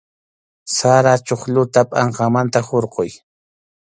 Sara chuqlluta pʼanqanmanta hurquy.